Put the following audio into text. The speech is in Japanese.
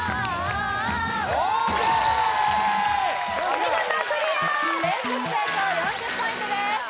お見事クリア連続成功４０ポイントです